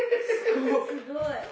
すごい！